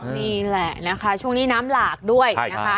นี่แหละนะคะช่วงนี้น้ำหลากด้วยนะคะ